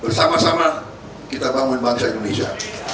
bersama sama kita bangun bangsa indonesia